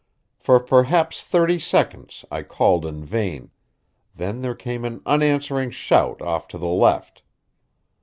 For perhaps thirty seconds I called in vain, then there came an unanswering shout off to the left.